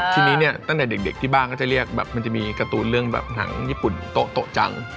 ทีนี้เนี่ยตั้งแต่เด็กที่บ้านก็จะเรียกแบบมันจะมีการ์ตูนเรื่องแบบหนังญี่ปุ่นโต๊ะจัง